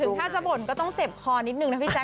ถ้าจะบ่นก็ต้องเจ็บคอนิดนึงนะพี่แจ